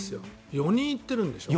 ４人行ってるんでしょ。